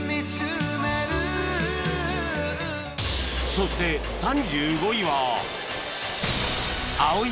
そして３５位は